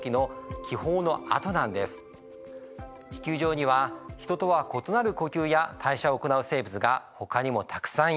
地球上にはヒトとは異なる呼吸や代謝を行う生物がほかにもたくさんいます。